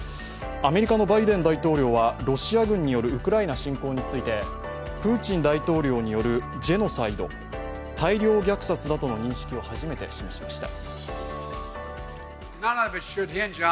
アメリカのバイデン大統領はロシア軍によるウクライナ侵攻についてプーチン大統領によるジェノサイド＝大量虐殺だとの認識を初めて示しました。